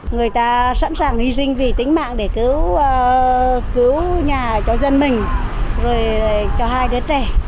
người ta sẵn sàng hy sinh vì tính mạng để cứu nhà cho dân mình cho hai đứa trẻ